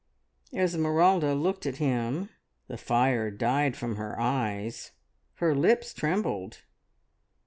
Esmeralda looked at him. The fire died from her eyes, her lips trembled.